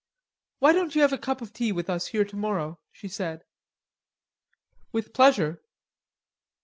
"Why don't you have a cup of tea with us here tomorrow?" she said. "With pleasure."